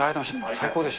最高でした。